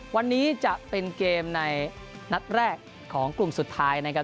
วันนี้จะเป็นเกมในนัดแรกของกลุ่มสุดท้ายนะครับ